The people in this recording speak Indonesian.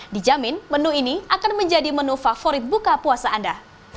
dijamin menu ini akan menjadi menu favorit buka puasa anda